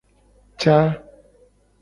Ca.